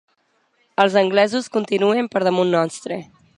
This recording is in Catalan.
Els anglesos continuen per damunt nostre.